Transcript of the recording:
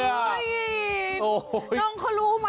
น้องเขารู้น่ะน้องเขารู้น่ะน่ะ